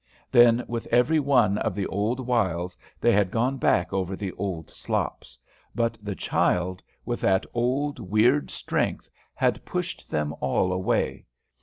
Then, with every one of the old wiles, they had gone back over the old slops; but the child, with that old weird strength, had pushed them all away.